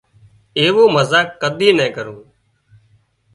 هوي ايوو مزاق ڪۮي نين ڪرون